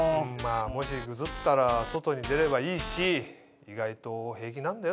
もしぐずったら外に出ればいいし意外と平気なんだよ